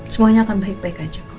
semuanya akan baik baik aja kok